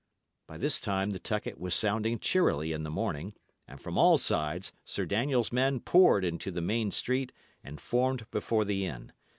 By this time the tucket was sounding cheerily in the morning, and from all sides Sir Daniel's men poured into the main street and formed before the inn.